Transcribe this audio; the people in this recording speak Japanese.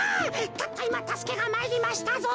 たったいまたすけがまいりましたぞ。